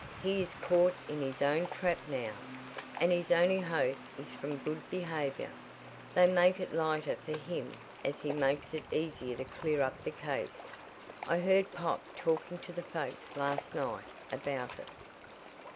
He is caught in his own trap now, and his only hope is from good behavior they make it lighter for him as he makes it easier to clear up the case. I heard pop talking to the folks last night about it."